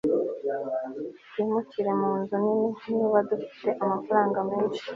Twimukira munzu nini niba dufite amafaranga menshi